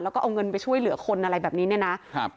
แล้วก็เอาเงินไปช่วยเหลือคนอะไรแบบนี้เนี่ยนะครับ